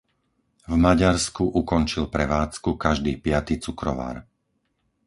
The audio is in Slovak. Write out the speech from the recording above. V Maďarsku ukončil prevádzku každý piaty cukrovar.